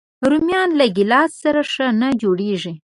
رومیان له ګیلاس سره ښه نه جوړيږي